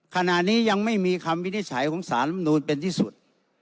ขณะนี้ยังไม่มีคำวินิจฉัยของสารลำนูนเป็นที่สุด